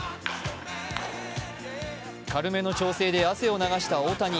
軽めの調整で汗を流した大谷。